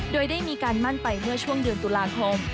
โดยได้มีการมั่นไปเมื่อช่วงเดือนตุลาคม